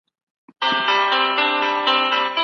خلګ وايي چي اوسني ځوانان تر پخوانيو هغو ډېر شعوري دي.